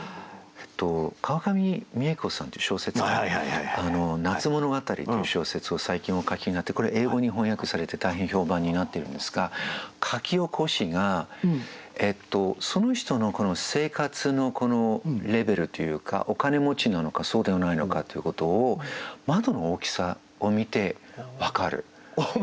川上未映子さんっていう小説家「夏物語」という小説を最近お書きになってこれ英語に翻訳されて大変評判になってるんですが書き起こしがその人の生活のレベルというかお金持ちなのかそうではないのかっていうことを窓の大きさを見て分かる。